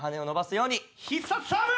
必殺サーブ！